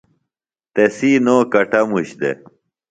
تسی نو کٹموش دےۡ